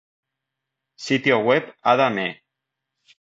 Sitio web Ada Mee